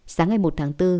sáng ngày một tháng bốn